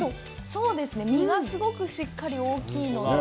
そうですね、実がすごくしっかり大きいので。